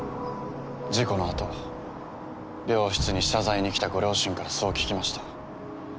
事故のあと病室に謝罪に来たご両親からそう聞きました。